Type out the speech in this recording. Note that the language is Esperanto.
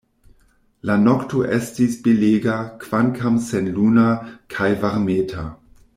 La nokto estis belega, kvankam senluna, kaj varmeta.